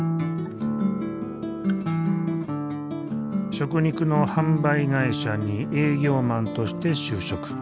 食肉の販売会社に営業マンとして就職。